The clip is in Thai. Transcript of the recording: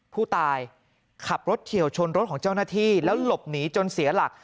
ผู้ตายขับรถเฉียวชนรถของเจ้าหน้าที่แล้วหลบหนีจนเสียหลัก